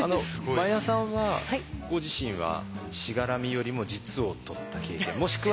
真矢さんはご自身はしがらみよりも実をとった経験もしくは。